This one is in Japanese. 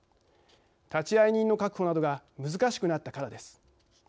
立会人の確保などが難しくなったからです。